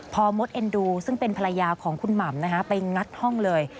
พอมดเอ็นดูซึ่งเป็นภรรยาของคุณหม่ำไปงัดห้องเลย